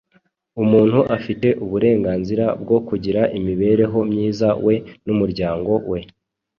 Umuntu afite uburenganzira bwo kugira imibereho myiza we n’umuryango we.